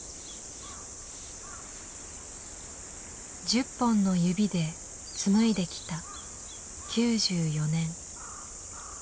十本の指で紡いできた９４年。